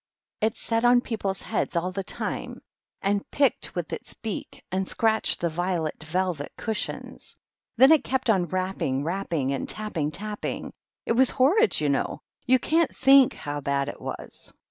It sat on people's heads all the time, and picked with its beak, and scratched the violet velvet cushions. Then it kept on rapping, rapping, and tapping, tapping. It was horrid, you know. You can't think how bad it was."